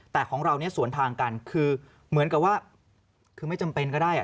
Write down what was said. แต่ของเราเนี่ยสวนทางกันคือเหมือนกับว่าคือไม่จำเป็นก็ได้